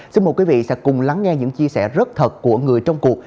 xin mời quý vị sẽ cùng lắng nghe những chia sẻ rất thật của người trong cuộc